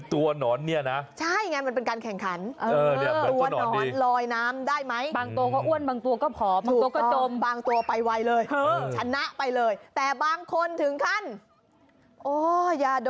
จะเรียกว่าพยาบาลเลยเหรอฮะ